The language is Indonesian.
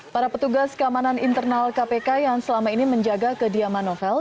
para petugas keamanan internal kpk yang selama ini menjaga kediaman novel